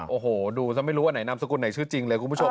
โอ้โหดูซะไม่รู้ว่าไหนนามสกุลไหนชื่อจริงเลยคุณผู้ชม